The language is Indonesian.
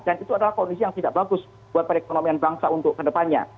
dan itu adalah kondisi yang tidak bagus buat perekonomian bangsa untuk kedepannya